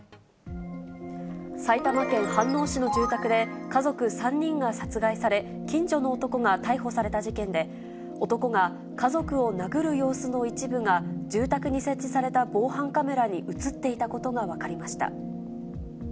埼玉県飯能市の住宅で、家族３人が殺害され、近所の男が逮捕された事件で、男が家族を殴る様子の一部が、住宅に設置された防犯カメラに写っていたことが分かりました。